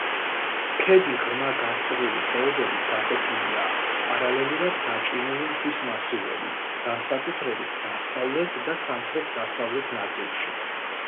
ქედი ღრმა გასწვრივი ხეობებით გაყოფილია პარალელურად გაჭიმული მთის მასივებით, განსაკუთრებით დასავლეთ და სამხრეთ-დასავლეთ ნაწილში.